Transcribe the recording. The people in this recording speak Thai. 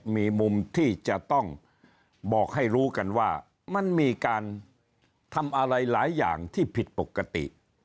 มีมุมที่จะต้องบอกให้รู้กันว่ามันมีการทำอะไรหลายอย่างที่ผิดปกติ